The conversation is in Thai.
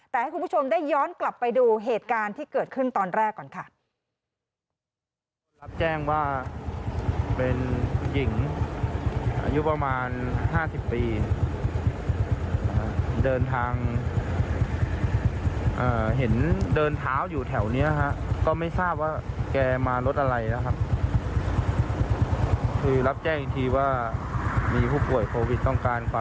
แต่ให้คุณผู้ชมได้ย้อนกลับไปดูเหตุการณ์ที่เกิดขึ้นตอนแรกก่อนค่ะ